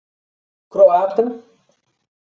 Croatá